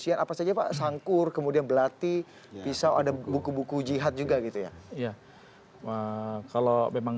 sian apa saja pak sangkur kemudian belati pisau ada buku buku jihad juga gitu ya iya kalau memang